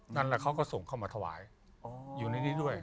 นั่นแหละเขาก็ส่งเข้ามาถวายอยู่ในนี้ด้วย